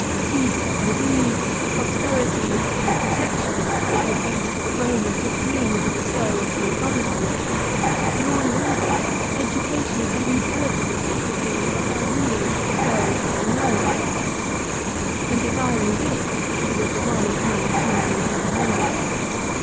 Peace and ease, prosperity and protection, it would be for the Rome of his dream to bestow upon the provinces. Law and order, education and intelligence, it would be for her rulers to bestow upon Rome, In desiring this he was the one honest THE PHILIPPICS. 1^75 man among many.